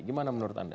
gimana menurut anda